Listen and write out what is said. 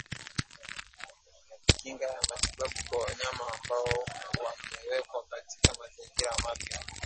Kinga ya matabibu kwa wanyama ambao wamewekwa katika mazingira mapya